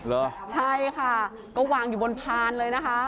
เหรอใช่ค่ะก็วางอยู่บนพานเลยนะคะ